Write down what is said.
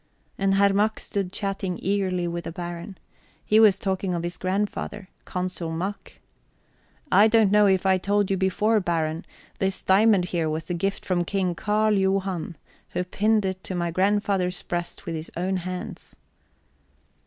And Herr Mack stood chatting eagerly with the Baron. He was talking of his grandfather, Consul Mack: "I don't know if I told you before, Baron; this diamond here was a gift from King Carl Johan, who pinned it to my grandfather's breast with his own hands."